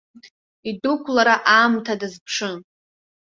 Идәықәлара аамҭа дазԥшын.